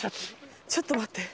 ちょっと待って。